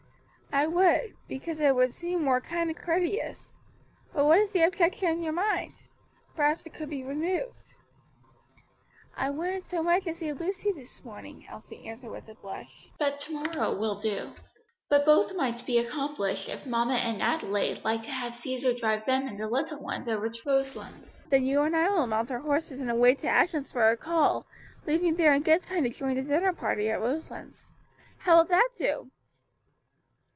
"I would, because it would seem more kind and courteous. But what is the objection in your mind? Perhaps it could be removed." "I wanted so much to see Lucy this morning," Elsie answered with a blush; "but to morrow will do." "But both might be accomplished if mamma and Adelaide like to have Cæsar drive them and the little ones over to Roselands. Then you and I will mount our horses and away to Ashlands for a call, leaving there in good time to join the dinner party at Roselands. How will that do?"